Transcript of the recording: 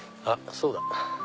そうだ！